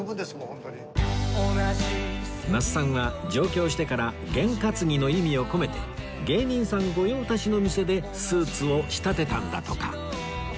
那須さんは上京してからゲン担ぎの意味を込めて芸人さん御用達の店でスーツを仕立てたんだとか